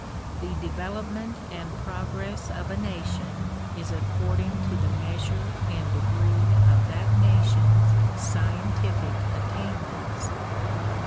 The development and progress of a nation is according to the measure and degree of that nation's scientific attainments.